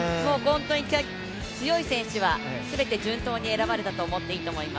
強い選手は全て順当に選ばれたと思っていいと思います。